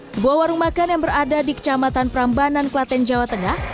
sebuah warung makan yang berada di kecamatan prambanan klaten jawa tengah